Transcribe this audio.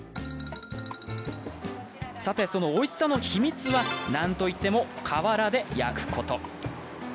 さて、そのおいしさの秘密はなんといっても瓦で焼くこと。